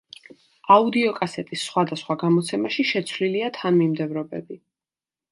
აუდიოკასეტის სხვადასხვა გამოცემაში შეცვლილია თანმიმდევრობები.